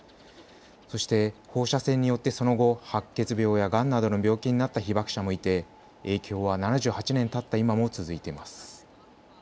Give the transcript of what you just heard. そして放射線によってその後、白血病やがんなどの病気になった被爆者もいて影響は７８年たった今も続いています。